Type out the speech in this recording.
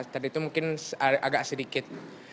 tadi itu mungkin agak sedikit